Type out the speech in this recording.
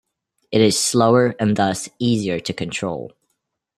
It is slower and thus easier to control.